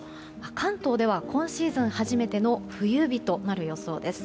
関東では今シーズン初めての冬日となる予想です。